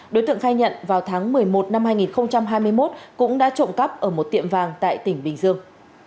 đối tượng khai nhận vào tháng một mươi một năm hai nghìn hai mươi một cũng đã trộm cắp ở một tiệm vàng tại tỉnh bình dương